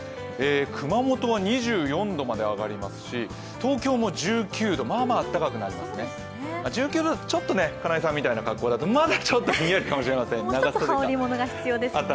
熊本は２４度まで上がりますし、東京も１９度、まあまああったかくなりますね、１９度は金井さんみたいな格好だと寒いかもしれません。